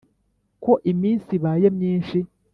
ko iminsi ibaye myinshi